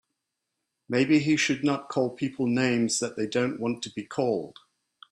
Maybe he should not call people names that they don't want to be called.